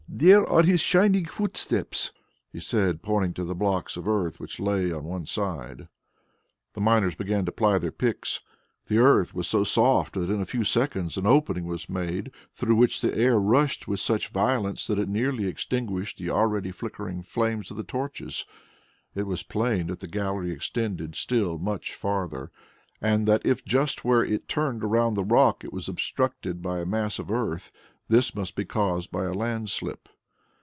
There are His shining footsteps," he said, pointing to the blocks of earth which lay on one side. The miners began to ply their picks. The earth was so soft that in a few seconds an opening was made through which the air rushed with such violence that it nearly extinguished the already flickering flames of the torches. It was plain that the gallery extended still much farther, and that if just where it turned round the rock it was obstructed by a mass of earth, this must be caused by a landslip.